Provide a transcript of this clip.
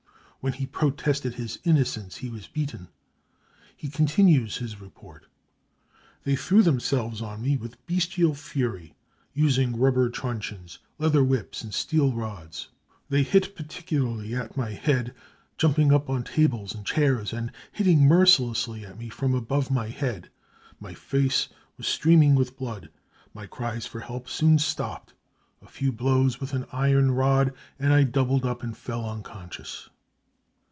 When he protested his innocence he was beaten. He continues his report : cc They threw themselves on me with bestial fury, using rubber truncheons, leather whips and steel rols. They hit particularly at my head, jumping up on tables and chairs and hitting mercilessly at me from above ifiy head. My face was streaming with blood. My cries for BRUTALITY AND TORTURE 213 help soon stopped : a few blows with an iron rod, and I doubled up and fell unconscious.